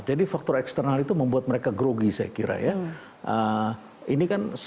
jadi faktor eksternal itu membuat mereka grogi saya kira ya